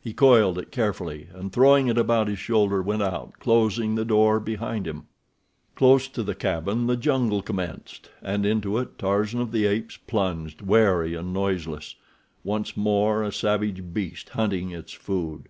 He coiled it carefully, and, throwing it about his shoulder, went out, closing the door behind him. Close to the cabin the jungle commenced, and into it Tarzan of the Apes plunged, wary and noiseless—once more a savage beast hunting its food.